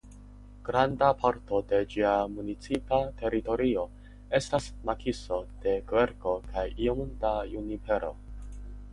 Granda parto de ĝia municipa teritorio estas makiso de kverko kaj iom da junipero.